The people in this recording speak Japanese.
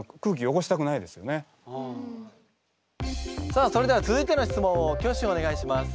さあそれでは続いての質問を挙手お願いします。